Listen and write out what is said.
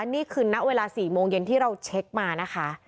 นี่คือณเวลา๔โมงเย็นที่เราเช็คมานะคะ